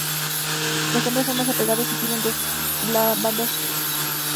Las hembras son más apagadas y tienen dos bandas prominentes en las alas.